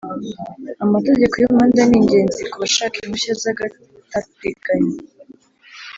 Amategeko yumuhanda ningenzi kubashaka impushya zagatateganyo